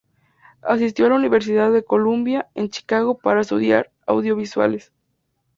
Asistió a la Universidad de Columbia en Chicago para estudiar audiovisuales.